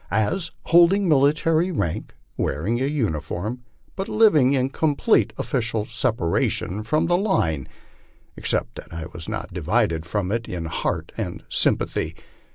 as " holding military rank, wearing the uniform," but living in complete " official separation from the line," except that I was not "divided from it in heart and sympathy."